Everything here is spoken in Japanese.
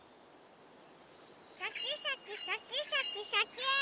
シャキシャキシャキシャキシャキーン！